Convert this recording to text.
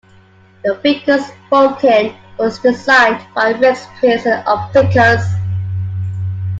The Vickers Vulcan was designed by Rex Pierson of Vickers.